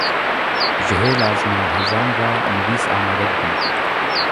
ji hêla zimanhezan ve nivîs amade dibin